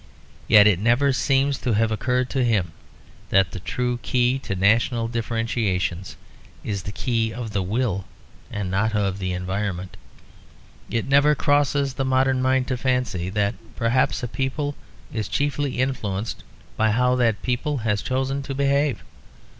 Yet it never seems to have occurred to him that the true key to national differentiations is the key of the will and not of the environment. It never crosses the modern mind to fancy that perhaps a people is chiefly influenced by how that people has chosen to behave.